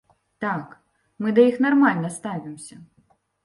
Так, мы да іх нармальна ставімся.